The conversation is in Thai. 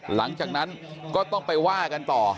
หลังจากนั้นก็ต้องไปว่ากันต่อ